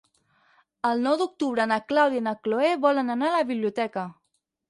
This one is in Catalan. El nou d'octubre na Clàudia i na Cloè volen anar a la biblioteca.